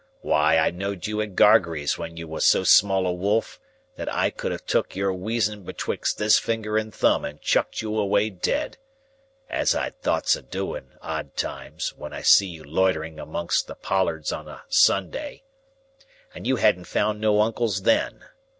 Why, I know'd you at Gargery's when you was so small a wolf that I could have took your weazen betwixt this finger and thumb and chucked you away dead (as I'd thoughts o' doing, odd times, when I see you loitering amongst the pollards on a Sunday), and you hadn't found no uncles then.